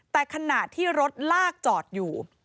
แต่ขณะที่รถลากจอดอยู่